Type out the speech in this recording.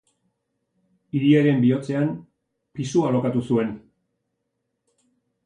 Hiriaren bihotzean pisua alokatu zuen.